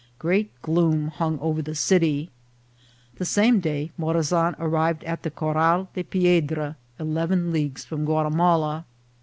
Great gloom hung over the city. The same day Morazan arrived at the Coral de Piedra, eleven leagues from Guatimala.